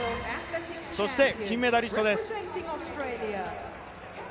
そして金メダリストです。